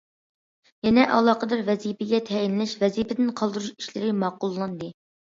يەنە ئالاقىدار ۋەزىپىگە تەيىنلەش، ۋەزىپىدىن قالدۇرۇش ئىشلىرى ماقۇللاندى.